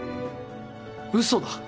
嘘だ。